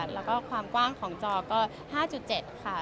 แล้วก็ความกว้างของจอก็๕๗ค่ะ